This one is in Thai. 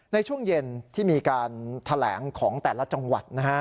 ในช่วงเย็นที่มีการแถลงของแต่ละจังหวัดนะฮะ